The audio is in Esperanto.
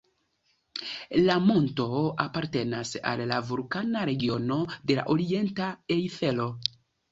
La monto apartenas al la vulkana regiono de la orienta Ejfelo.